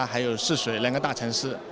dan shishui dua kota besar